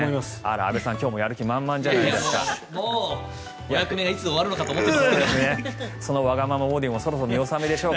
安部さん、今日もやる気満々じゃないですか。